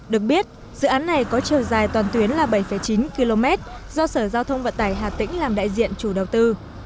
được biết dự án này có chiều dài toàn tuyến là bảy chín km do sở giao thông vận tải hà tĩnh làm đại diện chủ đầu tư